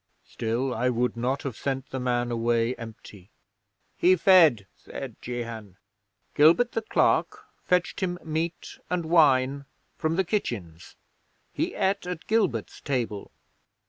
Still, I would not have sent the man away empty." '"He fed," said Jehan. "Gilbert the Clerk fetched him meat and wine from the kitchens. He ate at Gilbert's table."